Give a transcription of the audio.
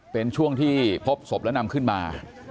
เป็นช่วงที่พบศพแล้วนำขึ้นมา